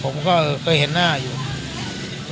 ผมก็เคยเห็นหน้าอยู่แล้ว๕๕๕๐๐๓๐๐๕